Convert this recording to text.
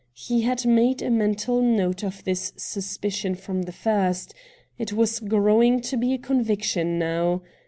He had made a mental note of this suspicion from the first ; it was growing to be a conviction now.